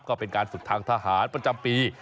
ก็เป็นการฝึกทางทหารประจำปี